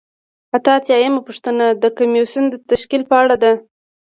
اته اتیا یمه پوښتنه د کمیسیون د تشکیل په اړه ده.